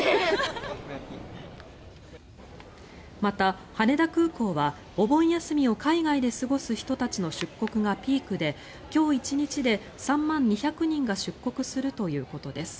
また、羽田空港はお盆休みを海外で過ごす人たちの出国がピークで今日一日で３万２００人が出国するということです。